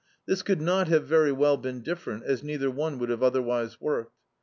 This could not have very well been different, as neither one would have otherwise worked.